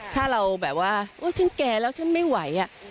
ถ้าเราแบบว่าฉันแก่แล้วฉันไม่ไหว